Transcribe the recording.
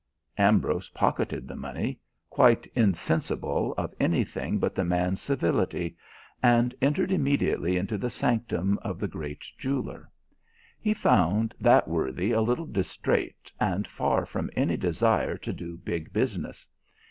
Ambrose pocketed the money, quite insensible of anything but the man's civility, and entered immediately into the sanctum of the great jeweller. He found that worthy a little distrait and far from any desire to do big business.